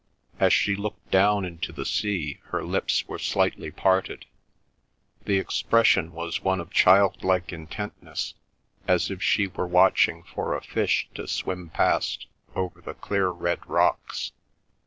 As she looked down into the sea, her lips were slightly parted. The expression was one of childlike intentness, as if she were watching for a fish to swim past over the clear red rocks.